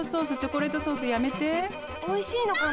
おいしいのかな？